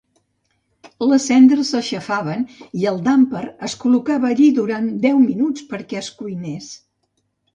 Les cendres s'aixafaven i el "damper" es col·locava allí durant deu minuts perquè es cuinés.